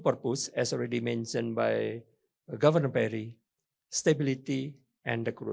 seperti yang sudah dibilang oleh pertama pertama stabilitas dan kursus